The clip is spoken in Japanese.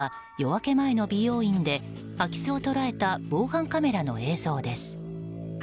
これは、夜明け前の美容院で空き巣を捉えた防犯カメラの映像です。